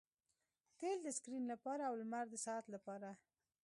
تیل د سکرین لپاره او لمر د ساعت لپاره